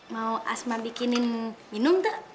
mau asma bikinin minum teh